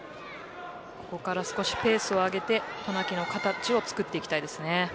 ここから少しペースを上げて渡名喜の形をつくっていきたいですね。